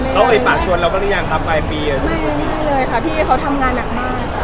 เขาเคยปากชวนเราก็ได้ยังครับปลายปีไม่ไม่เลยค่ะพี่เขาทำงานหนักมาก